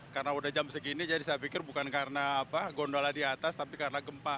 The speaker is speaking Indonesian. karena udah jam segini jadi saya pikir bukan karena gondola di atas tapi karena gempa